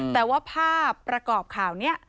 แต่ว่าภาพประกอบข่าวนี้